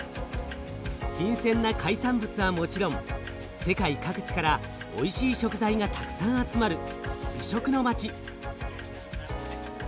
新鮮な海産物はもちろん世界各地からおいしい食材がたくさん集まる美食の街。